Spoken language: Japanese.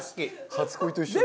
初恋と一緒だ。